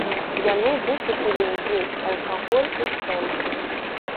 Яны выкупілі ўвесь алкаголь у цэнтры.